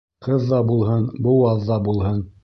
Ҡыҙ ҙа булһын, быуаҙ ҙа булһын.